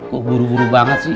kok guru guru banget sih